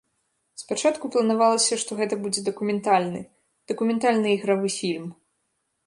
Спачатку планавалася, што гэта будзе дакументальны, дакументальна-ігравы фільм.